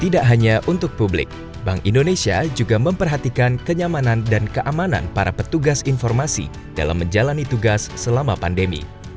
tidak hanya untuk publik bank indonesia juga memperhatikan kenyamanan dan keamanan para petugas informasi dalam menjalani tugas selama pandemi